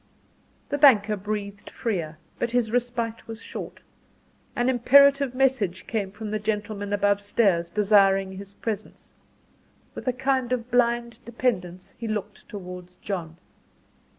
The banker breathed freer; but his respite was short: an imperative message came from the gentlemen above stairs, desiring his presence. With a kind of blind dependence he looked towards John.